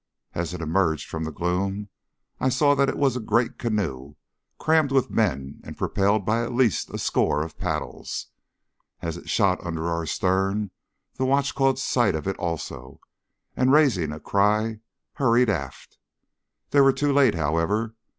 As it emerged from the gloom I saw that it was a great canoe crammed with men and propelled by at least a score of paddles. As it shot under our stern the watch caught sight of it also, and raising a cry hurried aft. They were too late, however.